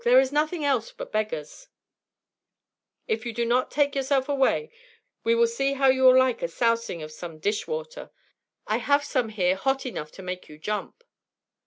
there is nothing else but beggars; if you do not take yourself away, we will see how you will like a sousing of some dish water; I have some here hot enough to make you jump."